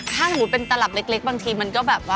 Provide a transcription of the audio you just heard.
ถ้าสมมุติเป็นตลับเล็กบางทีมันก็แบบว่า